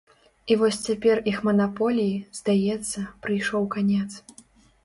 І вось цяпер іх манаполіі, здаецца, прыйшоў канец.